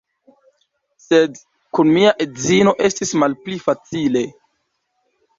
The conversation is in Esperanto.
Sed kun mia edzino estis malpli facile.